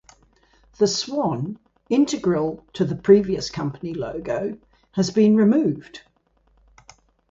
The swan, integral to the previous company logo, has been removed.